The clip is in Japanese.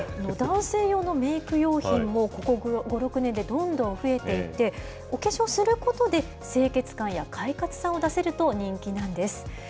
男性用のメーク用品も、ここ５、６年でどんどん増えていて、お化粧することで、清潔感や快活さを出せると、人気なんです。